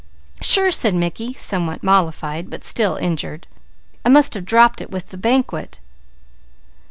"Sure!" said Mickey, somewhat mollified, but still injured. "I must have dropped it with the banquet!"